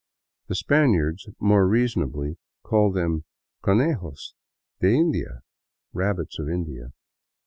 The Spaniards more reasonably called them conejos de India —" rabbits of India."